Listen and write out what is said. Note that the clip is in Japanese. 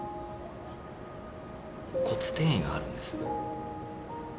骨転移があるんです。